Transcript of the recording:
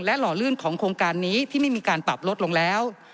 หล่อลื่นของโครงการนี้ที่ไม่มีการปรับลดลงแล้ว